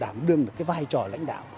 đảng đương được cái vai trò lãnh đạo